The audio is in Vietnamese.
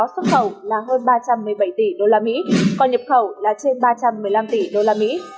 trong đó xuất nhập khẩu là hơn ba trăm một mươi bảy tỷ usd còn nhập khẩu là trên ba trăm một mươi năm tỷ usd